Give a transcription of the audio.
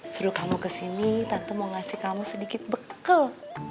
suruh kamu ke sini tante mau ngasih kamu sedikit bekel